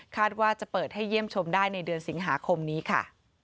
ว่าจะเปิดให้เยี่ยมชมได้ในเดือนสิงหาคมนี้ค่ะ